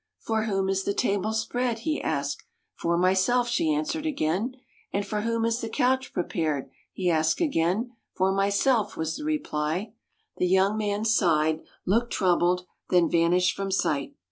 "For whom is the table spread?" he asked. " For myself," she answered again. " And for whom is the couch prepared? " he asked again. " For myself," was the reply. The young man sighed, looked troubled, then vanished from sight.